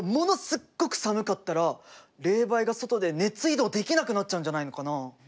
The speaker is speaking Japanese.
すっごく寒かったら冷媒が外で熱移動できなくなっちゃうんじゃないのかな？